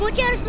itu buat kita